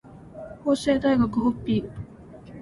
法政大学ホッピー